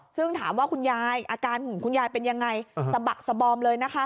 ซึ่งถามว่าคุณยายอาการของคุณยายเป็นยังไงสะบักสบอมเลยนะคะ